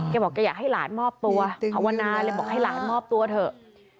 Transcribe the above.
บอกแกอยากให้หลานมอบตัวภาวนาเลยบอกให้หลานมอบตัวเถอะ